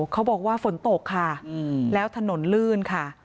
เขาบอกว่าฝนตกค่ะแล้วถนนลื่นค่ะ